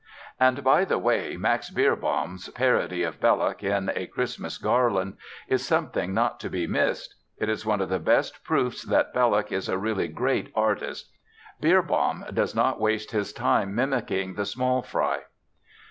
And by the way, Max Beerbohm's parody of Belloc, in A Christmas Garland, is something not to be missed. It is one of the best proofs that Belloc is a really great artist. Beerbohm does not waste his time mimicking the small fry.